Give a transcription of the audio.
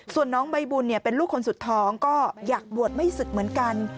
ส่วนน้องใบบุญเป็นลูกคนสุดท้องก็อยากบวชไม่ศึกเหมือนกัน